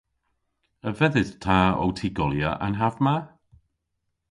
A vedhydh ta ow tygolya an hav ma?